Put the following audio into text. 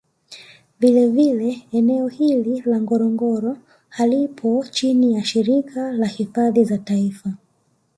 Vile vile eneo hili la ngorongoro halipo chini ya Shirika la hifadhi za Taifa